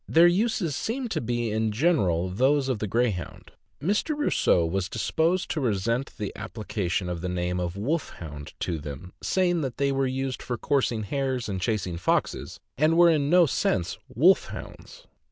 Their uses seem to be in general those of the Greyhound. Mr. Rosseau was disposed to resent the application of the name of "Wolfhound" to them, saying that they were used for coursing hares and chasing foxes, and were in no sense wolf hounds.